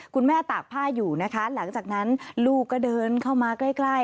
ตากผ้าอยู่นะคะหลังจากนั้นลูกก็เดินเข้ามาใกล้